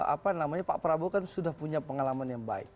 apa namanya pak prabowo kan sudah punya pengalaman yang baik